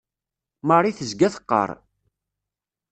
Marie tezga teqqar.